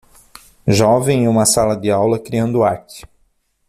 Jovem em uma sala de aula, criando arte.